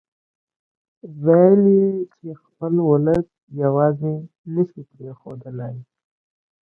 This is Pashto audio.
ويل يې چې خپل اولس يواځې نه شي پرېښودلای.